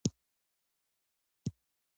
د زابل په دایچوپان کې د مرمرو نښې شته.